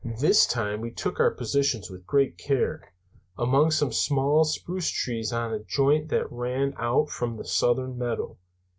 "This time we took our positions with great care, among some small spruces on a joint that ran out from the southern meadow.